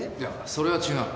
それは違う。